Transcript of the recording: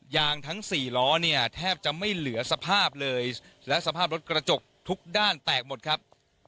ทั้งสี่ล้อเนี่ยแทบจะไม่เหลือสภาพเลยและสภาพรถกระจกทุกด้านแตกหมดครับ